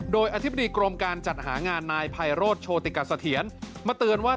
โดยอธิบดีกรมการจัดหางานนายไพโรธโชติกัสเถียรมาเตือนว่า